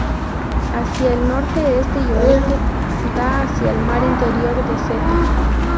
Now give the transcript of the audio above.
Hacia el norte, este y oeste da hacia el Mar Interior de Seto.